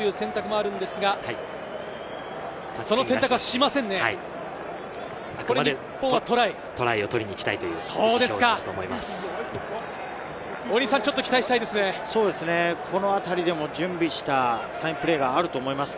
あくまでトライを取りにいきたいということだと思います。